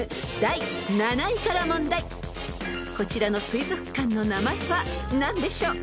［こちらの水族館の名前は何でしょう？］